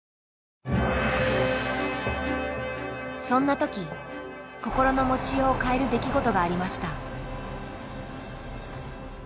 そんな時心の持ちようを変える出来事がありました。